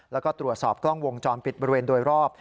แล้วก็ตรวจสอบกล้องวงจรปิดบริเวณโดยรอบ